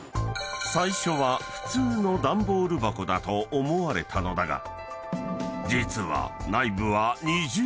［最初は普通の段ボール箱だと思われたのだが実は内部は］